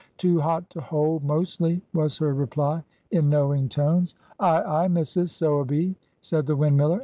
"Too hot to hold, mostly," was her reply, in knowing tones. "Ay, ay, missus, so a be," said the windmiller.